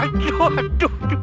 aduh aduh aduh